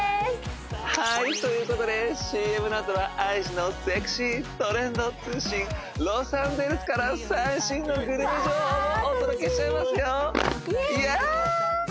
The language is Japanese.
はいということでＣＭのあとはＩＧのセクシートレンド通信ロサンゼルスから最新のグルメ情報をお届けしちゃいますよイエース！